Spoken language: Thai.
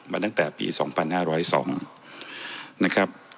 ตั้งแต่ปี๒๕๐๒นะครับ